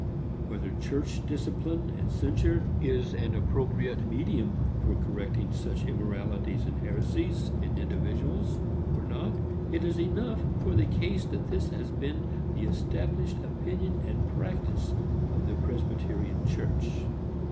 Whether church discipline and censure is an appropriate medium for correcting such immoralities and heresies in individuals, or not, it is enough for the case that this has been the established opinion and practice of the Presbyterian Church.